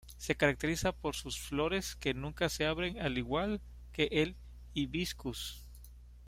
Se caracteriza por sus flores que nunca se abren al igual que el "Hibiscus".